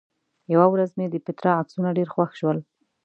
یوه ورځ مې د پېټرا عکسونه ډېر خوښ شول.